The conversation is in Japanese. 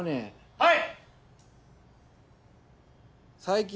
はい！